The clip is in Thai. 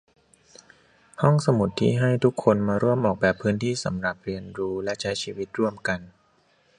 ห้องสมุดที่ให้ทุกคนมาร่วมออกแบบพื้นที่สำหรับเรียนรู้และใช้ชีวิตร่วมกัน